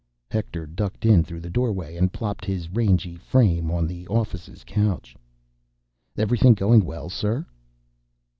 Hector ducked in through the doorway and plopped his rangy frame on the office's couch. "Everything going well, sir?"